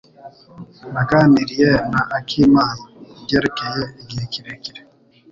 Naganiriye na akimana kubyerekeye igihe kirekire.